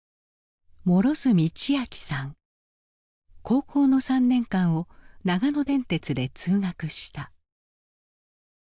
高校の３年間を長野電鉄で通学した。